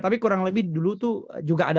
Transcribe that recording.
tapi kurang lebih dulu itu juga ada